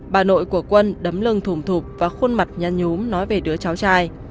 bà nội của quân đấm lưng thùng thụp và khuôn mặt nhăn nhúm nói về đứa cháu trai